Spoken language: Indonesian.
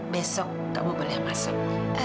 besok kamu boleh masuk